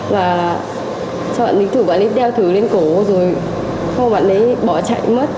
và cho bạn ấy thử bạn ấy đeo thứ lên cổ rồi bọn ấy bỏ chạy mất